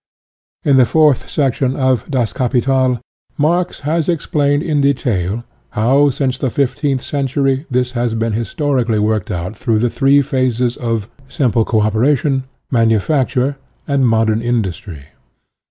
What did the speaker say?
In the fourth section of " Capital " Marx has explained in detail, how since the fifteenth century this has been historically worked out through the three phases of simple co operation, manu facture, and modern industry.